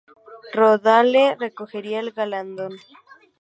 Rosedale recogería el galardón.